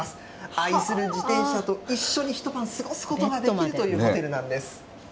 愛する自転車と一緒に一晩過ごすことができるというホテルなんです。